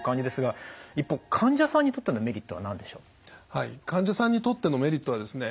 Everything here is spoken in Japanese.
はい患者さんにとってのメリットはですね